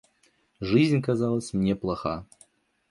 Жизнь казалась мне плоха.